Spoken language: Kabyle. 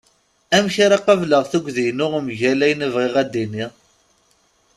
Amek ara qabeleɣ tugdi-inu mgal ayen bɣiɣ ad d-iniɣ?